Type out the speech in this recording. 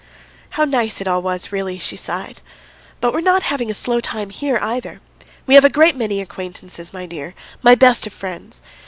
... "How nice it all was really!" she sighed. "But we're not having a slow time here either. We have a great many acquaintances, my dear, my best of friends!